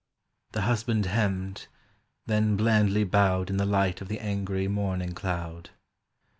The husband hemmed, then blandly bowed In the light of the angry morning cloud.